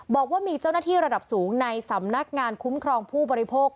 บอกว่ามีเจ้าหน้าที่ระดับสูงในสำนักงานคุ้มครองผู้บริโภค